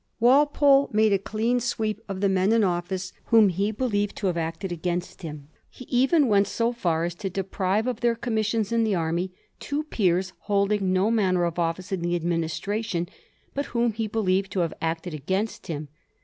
Walpole made a clean sweep of the men in office whom he believed to have acted against him. He even went so far as to deprive of their commisbions in the army two peers holding no manner of office in the Administration, but whom he believed to have acted against him.